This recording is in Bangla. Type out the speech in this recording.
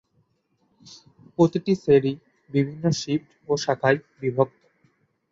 প্রতিটি শ্রেণী বিভিন্ন শিফট ও শাখায় বিভক্ত।